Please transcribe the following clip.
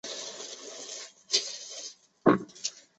欲了解更多信息请见洛桑高商网站。